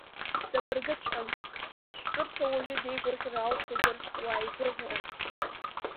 Ҵабыргыҵәҟьан, ахәшәтәырҭа уаҩы деигәырӷьар алшозар, уааигәырӷьарын.